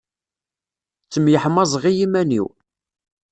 Ttemyeḥmaẓeɣ i yiman-iw.